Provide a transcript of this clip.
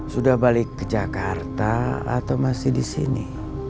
sudah balik ke jakarta atau masih di sini